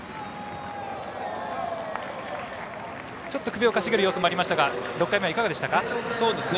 首をかしげる様子もありましたが６回目は、いかがでしたか？